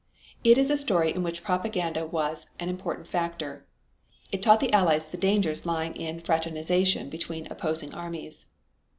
It is a story in which propaganda was an important factor. It taught the Allies the dangers lying in fraternization between opposing armies.